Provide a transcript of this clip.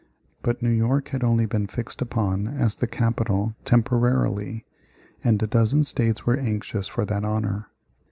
But New York had only been fixed upon as the capital temporarily, and a dozen States were anxious for that honor.